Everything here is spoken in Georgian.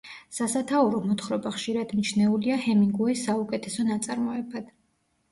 სასათაურო მოთხრობა ხშირად მიჩნეულია ჰემინგუეის საუკეთესო ნაწარმოებად.